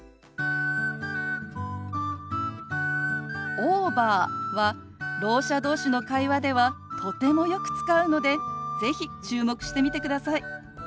「オーバー」はろう者同士の会話ではとてもよく使うので是非注目してみてください。